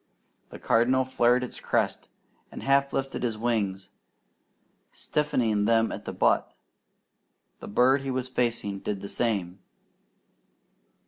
The Cardinal flared his crest and half lifted his wings, stiffening them at the butt; the bird he was facing did the same.